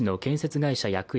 会社役員・